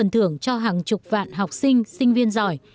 thưởng cho hàng chục vạn học sinh sinh viên giỏi